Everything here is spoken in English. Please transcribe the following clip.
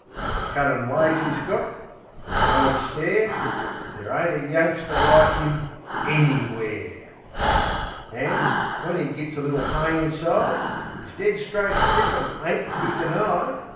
The cunnin' ways 'e's got; the knowin' stare Ther' ain't a youngster like 'im ANYWHERE! An', when 'e gits a little pain inside, 'Is dead straight griffin ain't to be denied.